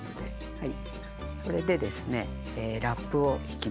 はい。